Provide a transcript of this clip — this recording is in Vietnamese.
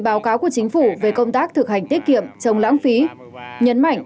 báo cáo của chính phủ về công tác thực hành tiết kiệm chống lãng phí nhấn mạnh